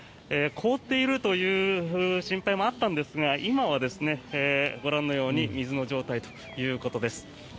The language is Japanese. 凍っているという心配もあったんですが今はご覧のように水の状態ということです。